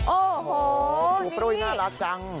โอ้โหหมูปลุ้ยน่ารักจัง